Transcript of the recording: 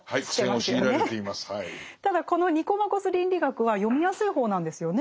ただこの「ニコマコス倫理学」は読みやすい方なんですよね。